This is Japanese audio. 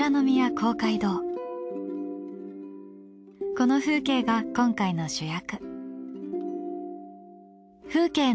この風景が今回の主役。